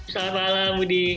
selamat malam budi